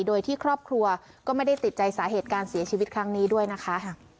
โดยที่ครอบครัวก็ไม่ได้ติดใจสาเหตุการเสียชีวิตครั้งนี้ด้วยนะคะ